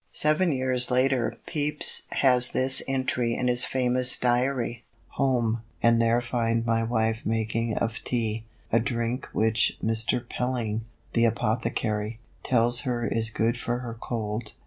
Seven years later Pepys has this entry in his famous Diary: "Home, and there find my wife making of Tea, a drink which Mr. Pelling, the apothicary, tells her is good for her cold."